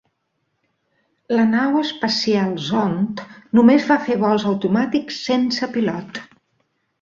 La nau espacial Zond només va fer vols automàtics sense pilot.